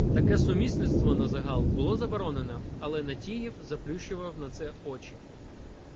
Таке сумісництво, на загал, було заборонено, але Натієв заплющував на це очі.